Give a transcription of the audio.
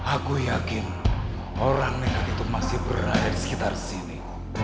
aku yakin orang negatif masih berada di sekitar sini